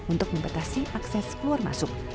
untuk membatasi akses keluar masuk